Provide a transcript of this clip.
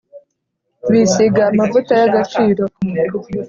bisiga amavuta y’agaciro,